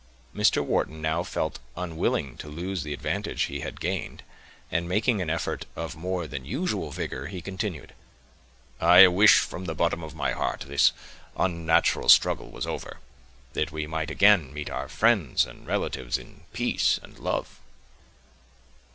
Mr. Wharton now felt unwilling to lose the advantage he had gained, and, making an effort of more than usual vigor, he continued,— "I wish from the bottom of my heart, this unnatural struggle was over, that we might again meet our friends and relatives in peace and love."